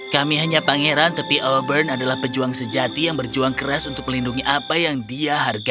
kami hanya pangeran tapi albern adalah pejuang sejati yang berjuang keras untuk melindungi apa yang dia hargai